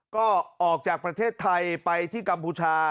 ก็ออกจากประเทศไทยไปที่กัมพูชา